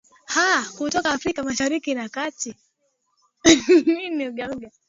aa kutoka afrika mashariki na kati